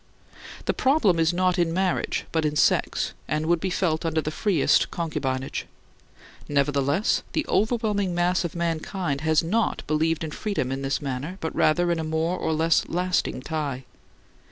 The problem is not in marriage, but in sex; and would be felt under the freest concubinage. Nevertheless, the overwhelming mass of mankind has not believed in freedom in this matter, but rather in a more or less lasting tie.